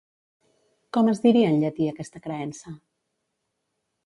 Com es diria en llatí aquesta creença?